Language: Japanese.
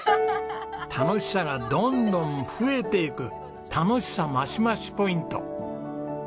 楽しさがどんどん増えていく楽しさ増し増しポイント。